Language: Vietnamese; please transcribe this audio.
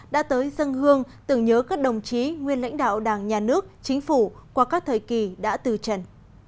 đã tới dân hương tưởng nhớ các đồng chí nguyên lãnh đạo đảng nhà nước chính phủ qua các thời kỳ đã từ trần